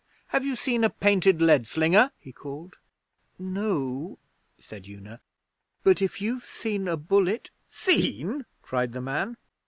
'Have you seen a painted lead slinger?' he called. 'No o,' said Una. 'But if you've seen a bullet ' 'Seen?' cried the man.